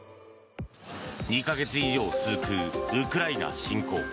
２か月以上続くウクライナ侵攻。